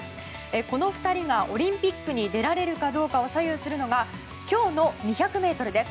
この２人がオリンピックに出られるかどうかを左右するのが今日の２００ｍです。